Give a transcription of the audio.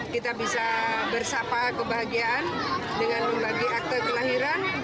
kita bisa bersapa kebahagiaan dengan membagi akte kelahiran